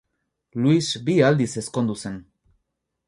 Luis bi aldiz ezkondu zen.